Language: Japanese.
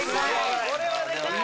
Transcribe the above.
これはでかい。